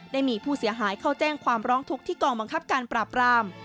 ได้มีผู้เสียหายเข้าแจ้งความร้องทุกข์ที่กองบังคับการปราบราม